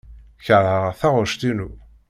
Keṛheɣ taɣect-inu.